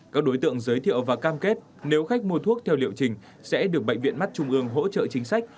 các đối tượng giới thiệu và cam kết nếu khách mua thuốc theo liệu trình sẽ được bệnh viện mắt trung ương hỗ trợ chính sách